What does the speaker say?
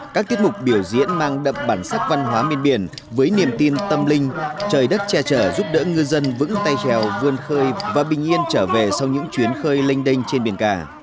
các tiết mục biểu diễn mang đậm bản sắc văn hóa bên biển với niềm tin tâm linh trời đất che chở giúp đỡ ngư dân vững tay trèo vươn khơi và bình yên trở về sau những chuyến khơi lênh đênh trên biển cả